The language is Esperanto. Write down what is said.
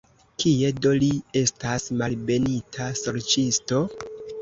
Kie do li estas, malbenita sorĉisto?